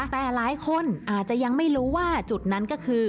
แต่หลายคนอาจจะยังไม่รู้ว่าจุดนั้นก็คือ